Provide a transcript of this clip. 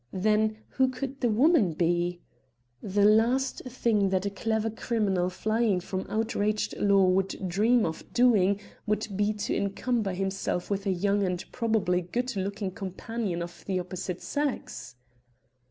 Then, who could the woman be? The last thing that a clever criminal flying from outraged law would dream of doing would be to encumber himself with a young and probably good looking companion of the opposite sex.